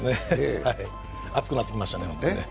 熱くなってきましたね。